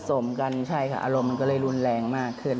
สมกันใช่ค่ะอารมณ์มันก็เลยรุนแรงมากขึ้น